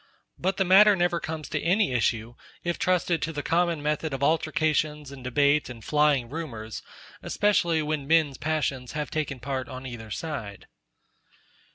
But the matter never comes to any issue, if trusted to the common method of altercations and debate and flying rumours; especially when men's passions have taken part on either side.